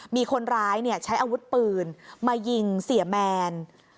มีคนร้ายใช้อาวุธปืนมายิงเสียแมน